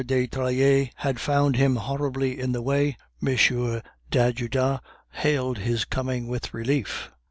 de Trailles had found him horribly in the way, M. d'Ajuda hailed his coming with relief.